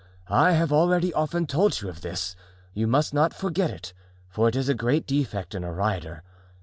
I have already often told you of this; you must not forget it, for it is a great defect in a rider.